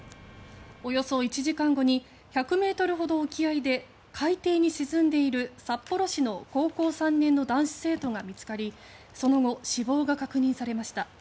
およそ１時間後に１００ｍほど沖合で海底に沈んでいる、札幌市の高校３年の男子生徒が見つかりその後、死亡が確認されました。